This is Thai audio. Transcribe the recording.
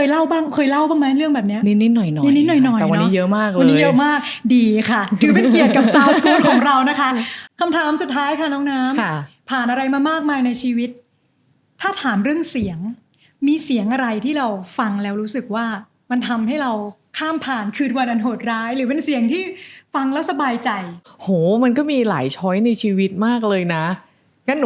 แล้วหนูเอาจำแน่ออกเป็นแบบ๒แนวใหญ่แล้วกันค่ะ